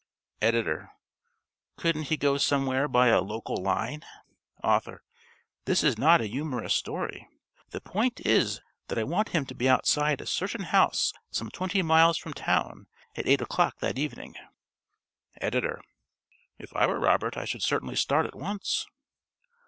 _ ~Editor.~ Couldn't he go somewhere by a local line? ~Author.~ _This is not a humorous story. The point is that I want him to be outside a certain house some twenty miles from town at eight o'clock that evening._ ~Editor.~ _If I were Robert I should certainly start at once.